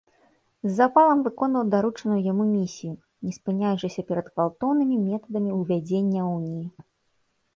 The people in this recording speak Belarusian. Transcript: З запалам выконваў даручаную яму місію, не спыняючыся перад гвалтоўнымі метадамі ўвядзення уніі.